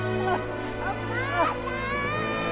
お母さーん